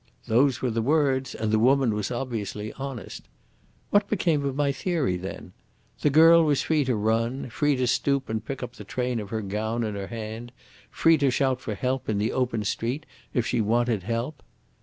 Those were the words, and the woman was obviously honest. What became of my theory then? The girl was free to run, free to stoop and pick up the train of her gown in her hand, free to shout for help in the open street if she wanted help.